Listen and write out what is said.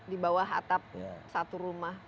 di bawah atap satu rumah